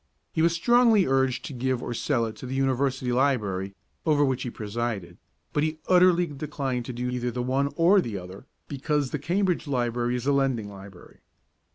He was strongly urged to give or sell it to the University Library over which he presided, but he utterly declined to do either the one or the other, because the Cambridge Library is a lending library.